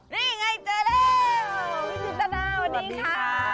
พี่จิตตนาวันนี้ค่ะ